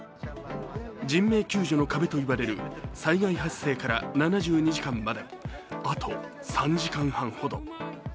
人命救助の壁と言われる災害発生から７２時間まで、あと３時間ほど。